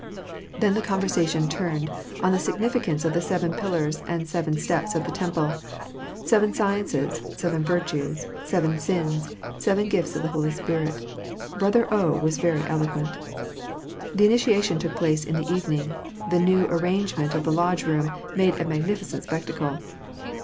Then the conversation turned on the significance of the seven pillars and seven steps of the Temple. Seven sciences, seven virtues, seven sins, seven gifts of the Holy Spirit. Brother O was very eloquent. The initiation took place in the evening. The new arrangement of the Lodge room made a magnificent spectacle.